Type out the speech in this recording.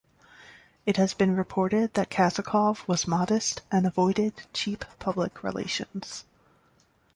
It has been reported that Kazakov was modest and avoided cheap public relations.